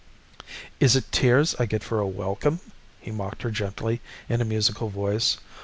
"Is it tears I get for a welcome?" he mocked her gently in a musical voice.